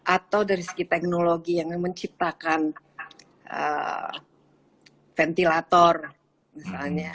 atau dari segi teknologi yang menciptakan ventilator misalnya